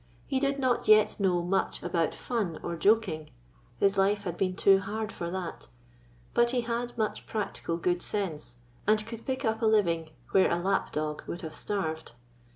He did not yet know much about fun or joking — his life had been too hard for that — but he had much practical good sense, and could pick up a living where a lapdog would have starved.